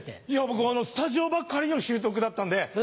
僕スタジオばっかりの収録だったんで。